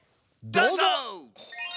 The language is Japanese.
どうぞ！